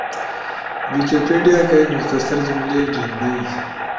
ویکیپیڈیا کئی مکٹصر جملئی گھینئی۔